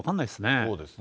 そうですね。